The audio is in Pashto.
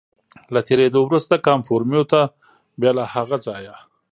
له تېرېدو وروسته کاموفورمیو ته، بیا له هغه ځایه.